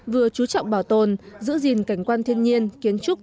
vừa chú trọng bảo tồn giữ gìn cảnh quan thiên nhiên kiến trúc